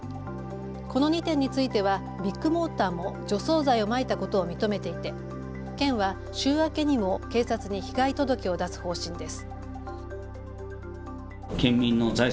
この２店についてはビッグモーターも除草剤をまいたことを認めていて県は週明けにも警察に被害届を出す方針です。